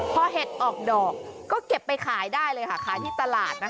พอเห็ดออกดอกก็เก็บไปขายได้เลยค่ะขายที่ตลาดนะคะ